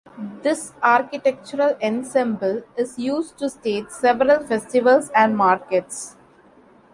This architectural ensemble is used to stage several festivals and markets.